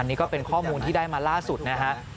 อันนี้ก็เป็นข้อมูลที่ได้มาลักสุดฮะ